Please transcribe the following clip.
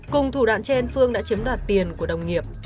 cùng thủ đoạn trên phương đã chiếm đoạt tiền của đồng nghiệp